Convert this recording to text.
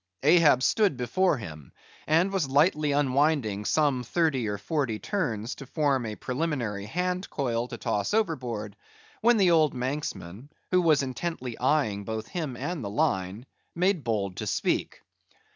Ahab stood before him, and was lightly unwinding some thirty or forty turns to form a preliminary hand coil to toss overboard, when the old Manxman, who was intently eyeing both him and the line, made bold to speak.